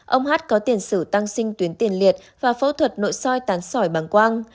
ông hát có tiền sử tăng sinh tuyến tiền liệt và phẫu thuật nội soi tán sỏi bằng quang